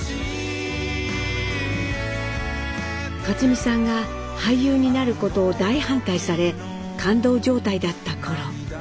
克実さんが俳優になることを大反対され勘当状態だった頃。